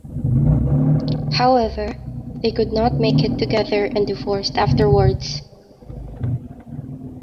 However they could not make it together and divorced afterwards.